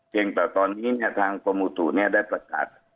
แต่ตอนนี้ทางกรมอุตุได้ประกาศ